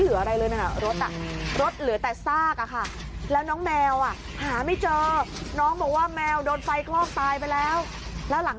เรื่องอะไรลูกเสียทั้งเปลวเสียทั้งบ้านเสียทั้งรถเสียทั้ง